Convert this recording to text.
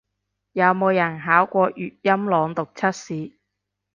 有冇人考過粵音朗讀測試